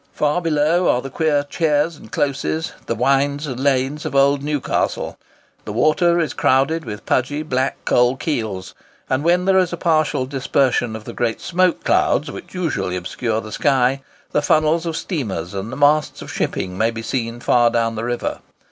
Far below are the queer chares and closes, the wynds and lanes of old Newcastle; the water is crowded with pudgy, black, coal keels; and, when there is a partial dispersion of the great smoke clouds which usually obscure the sky, the funnels of steamers and the masts of shipping may be seen far down the river.